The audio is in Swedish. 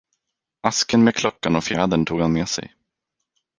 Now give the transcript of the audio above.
Asken med klockan och fjädern tog han med sig.